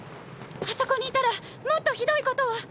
あそこにいたらもっとひどいことを。